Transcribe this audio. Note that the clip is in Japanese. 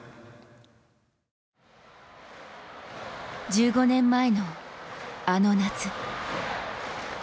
１５年前の、あの夏。